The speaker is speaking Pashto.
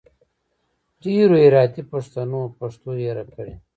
ډېرو هراتي پښتنو پښتو هېره کړي